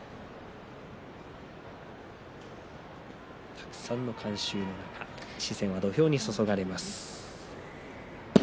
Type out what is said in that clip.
たくさんの観衆の中視線は土俵に注がれます。